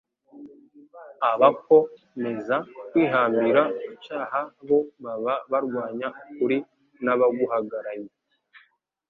abako meza kwihambira ku cyaha bo baba barwanya ukuri n'abaguhagaranye.